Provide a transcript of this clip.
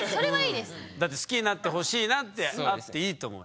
だって好きになってほしいなってあっていいと思うよ。